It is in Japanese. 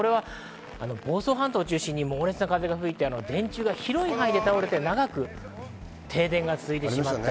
房総半島を中心に猛烈な風が吹いて電柱が広い範囲で倒れて長く停電が続いてしまいました。